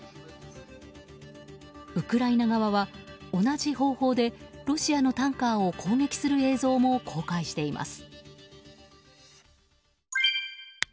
ウクライナ側は同じ方法でロシアのタンカーを攻撃する映像も公開しています。